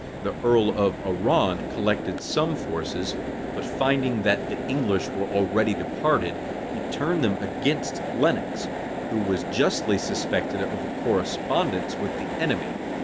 The earl of Arran collected some forces; but finding that the English were already departed, he turned them against Lenox, who was justly suspected of a correspondence with the enemy.